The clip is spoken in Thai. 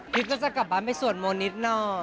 ก็จะกลับบ้านไปสวดมนต์นิดหน่อย